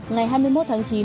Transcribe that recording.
ngày hai mươi một tháng chín